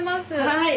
はい。